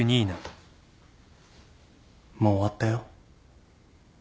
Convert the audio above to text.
もう終わったよ。